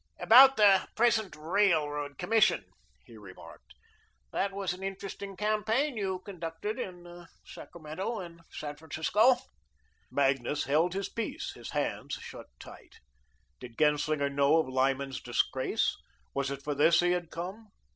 "About the present Railroad Commission," he remarked. "That was an interesting campaign you conducted in Sacramento and San Francisco." Magnus held his peace, his hands shut tight. Did Genslinger know of Lyman's disgrace? Was it for this he had come?